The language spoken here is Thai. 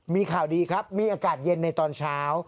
มีข่าวดีครับมีอากาศเย็นในตอนเช้า